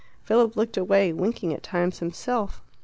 Philip looked away, winking at times himself.